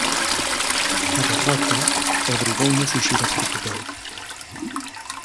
A derrota obrigouno a fuxir a Portugal.